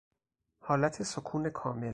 حالت سکون کامل